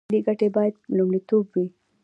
ملي ګټې باید لومړیتوب وي